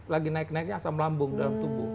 lagi naik naiknya asam lambung dalam tubuh